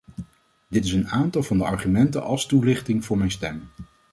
Dit is een aantal van de argumenten als toelichting voor mijn stem.